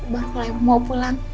baru kelar mau pulang